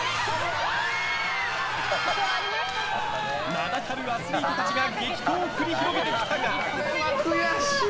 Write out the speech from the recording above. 名だたるアスリートたちが激闘を繰り広げてきたが。